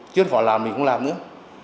chuyên khỏa làm mình không làm nữa